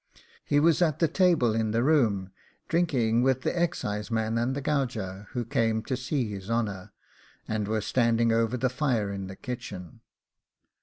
He was at the table in the room, drinking with the excise man and the gauger, who came up to see his honour, and we were standing over the fire in the kitchen.